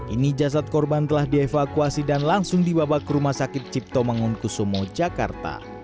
ini jasad korban telah dievakuasi dan langsung dibawa ke rumah sakit cipto mangunkusumo jakarta